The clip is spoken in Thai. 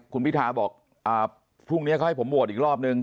คุณพิทาบอกพรุ่งนี้เขาให้ผมโหวตอีกรอบนึง